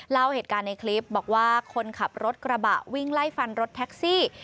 เล่าเหตุการณ์ในคลิปบอกว่าคนขับรถกระบะวิ่งไล่ฟันรถแท็กซี่